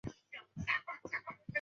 阿里恰。